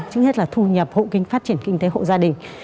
trước hết là thu nhập hộ kinh phát triển kinh tế hộ gia đình